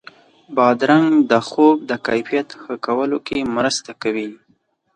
بادرنګ د خوب د کیفیت ښه کولو کې مرسته کوي.